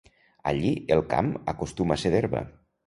Allí, el camp acostuma a ser d'herba.